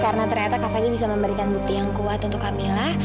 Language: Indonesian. karena ternyata kak fadil bisa memberikan bukti yang kuat untuk kamila